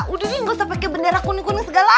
udah nih gak usah pakai bendera kuning kuning segala